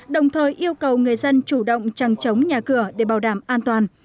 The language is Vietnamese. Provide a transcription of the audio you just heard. đồng thời yêu cầu người dân chủ động trăng trống nhà cửa để bảo đảm an toàn